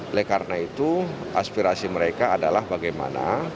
oleh karena itu aspirasi mereka adalah bagaimana